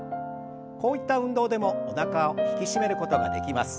こういった運動でもおなかを引き締めることができます。